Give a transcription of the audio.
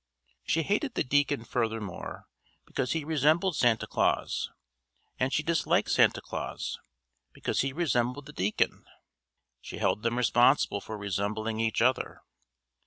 She hated the deacon furthermore because he resembled Santa Claus, and she disliked Santa Claus because he resembled the deacon: she held them responsible for resembling each other.